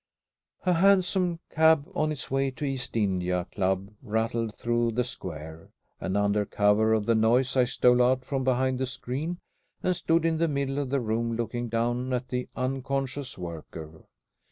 A hansom cab on its way to the East India Club rattled through the square, and under cover of the noise I stole out from behind the screen, and stood in the middle of the room looking down at the unconscious worker.